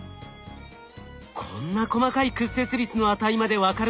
こんな細かい屈折率の値まで分かるんですね。